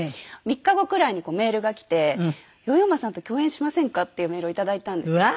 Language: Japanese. ３日後くらいにメールが来て「ヨーヨー・マさんと共演しませんか？」っていうメールをいただいたんですよ。